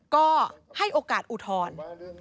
ก็ให้โอกาสอุทธรณ์